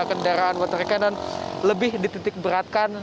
kendaraan water cannon lebih dititik beratkan